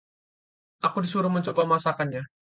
aku disuruh mencoba masakannya